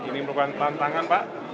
ini bukan tantangan pak